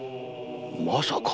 まさか？